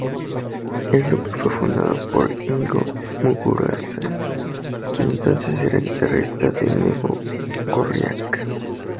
El grupo fue fundado por Iñigo Muguruza, quien entonces era guitarrista de Negu Gorriak.